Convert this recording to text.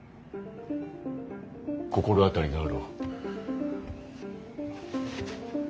心当たりがあろう。